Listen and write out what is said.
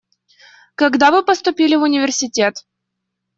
Когда вы поступили в университет?